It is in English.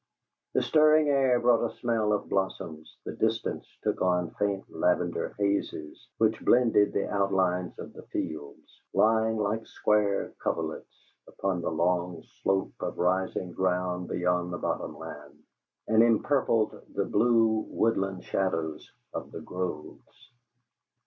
The stirring air brought a smell of blossoms; the distance took on faint lavender hazes which blended the outlines of the fields, lying like square coverlets upon the long slope of rising ground beyond the bottom land, and empurpled the blue woodland shadows of the groves.